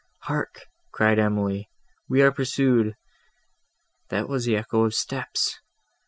"Hark!" cried Emily, "we are pursued; that was the echo of steps!"